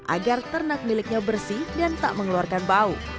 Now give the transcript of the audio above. agar ternak miliknya bersih dan tak mengeluarkan bau